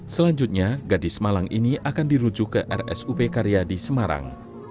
selanjutnya gadis malang ini akan dirujuk ke rsup karyadi semarang